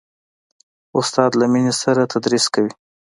استاد له مینې سره تدریس کوي.